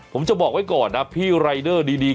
ผมจะบอกไว้ก่อนนะพี่รายเดอร์ดี